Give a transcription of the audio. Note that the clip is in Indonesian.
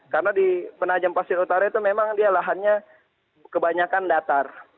karena di penajam pasir utara itu memang dia lahannya kebanyakan datar